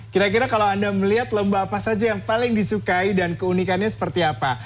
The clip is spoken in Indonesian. kira kira kalau anda melihat lomba apa saja yang paling disukai dan keunikannya seperti apa